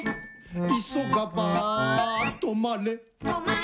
「いそがばとまれ」